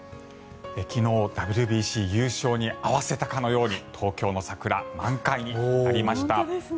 昨日、ＷＢＣ優勝に合わせたかのように東京の桜、満開になりました。